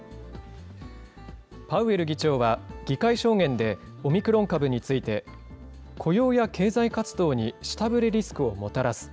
パウエル議長は議会証言で、オミクロン株について、雇用や経済活動に下振れリスクをもたらす。